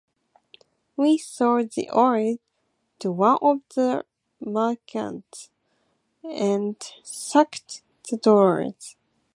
We sold the oil to one of the merchants, and sacked the dollars.